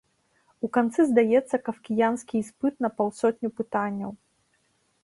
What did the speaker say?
У канцы здаецца кафкіянскі іспыт на паўсотню пытанняў.